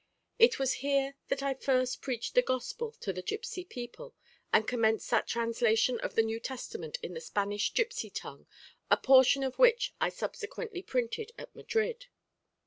It was here that I first preached the gospel to the gipsy people, and commenced that translation of the New Testament in the Spanish gipsy tongue, a portion of which I subsequently printed at Madrid.